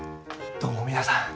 どうも皆さん